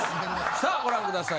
さあご覧ください